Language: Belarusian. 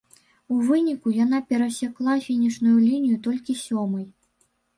У выніку яна перасекла фінішную лінію толькі сёмай.